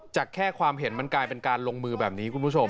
แค่ความเห็นมันกลายเป็นการลงมือแบบนี้คุณผู้ชม